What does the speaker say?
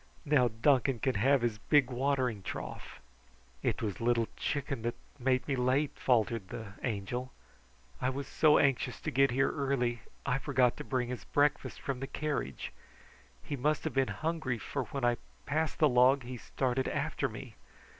Now Duncan can have his big watering trough." "It was Little Chicken that made me late," faltered the Angel. "I was so anxious to get here early I forgot to bring his breakfast from the carriage. He must have been hungry, for when I passed the log he started after me.